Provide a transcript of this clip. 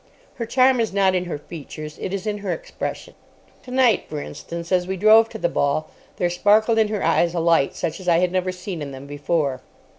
Her charm is not in her features. It is in her expression. Tonight, for instance, as we drove to the ball, there sparkled in her eyes a light such as I had never seen in them before.